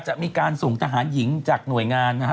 จะมีการส่งทหารหญิงจากหน่วยงานนะฮะ